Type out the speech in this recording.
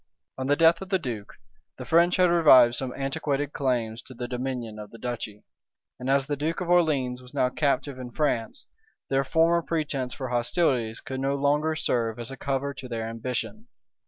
On the death of the duke, the French had revived some antiquated claims to the dominion of the duchy; and as the duke of Orleans was now captive in France, their former pretence for hostilities could no longer serve as a cover to their ambition.